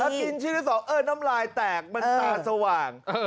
ถ้ากินชิ้นนี้สองน้ำรายแตกมันตายสว่าง